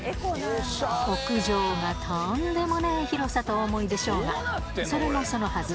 屋上がとんでもない広さとお思いでしょうがそれもそのはず